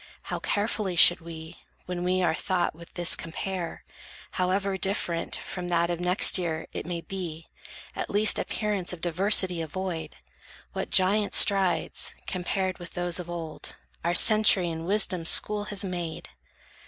How carefully should we, when we our thought With this compare, however different From that of next year it may be, at least Appearance of diversity avoid! What giant strides, compared with those of old, Our century in wisdom's school has made!